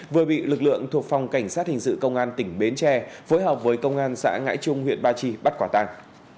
vừa bị lực lượng thuộc phòng cảnh sát hình sự công an tỉnh bến tre phối hợp với công an xã ngãi trung huyện ba chi bắt quả tàng